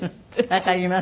わかります。